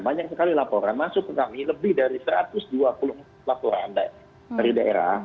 banyak sekali laporan masuk ke kami lebih dari satu ratus dua puluh empat laporan dari daerah